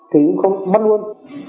thì cũng không bắt luôn